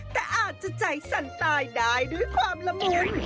แต่อาจจะใจสั่นตายได้ด้วยความละมุน